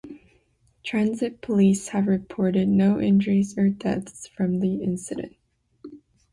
Transit Police have reported no injuries or deaths from the incident.